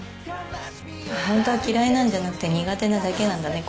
ホントは嫌いなんじゃなくて苦手なだけなんだね